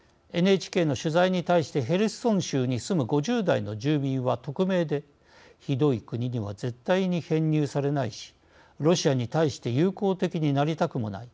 ＮＨＫの取材に対してヘルソン州に住む５０代の住民は匿名でひどい国には絶対に編入されないしロシアに対して友好的になりたくもない。